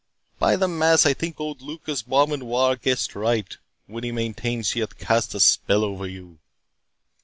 By the mass, I think old Lucas Beaumanoir guesses right, when he maintains she hath cast a spell over you."